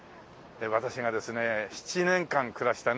私がですね７年間暮らしたね